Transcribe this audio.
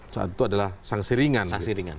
itu adalah sanksi ringan